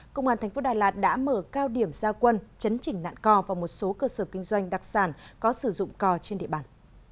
công an thành phố đà lạt đã mở cao điểm gia quân chấn chỉnh nạn cò vào một số cơ sở kinh doanh đặc sản có sử dụng cò trên địa bàn